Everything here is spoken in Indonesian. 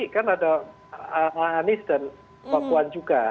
kan ada anies dan pak wan juga